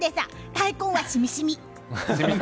大根は、しみしみ。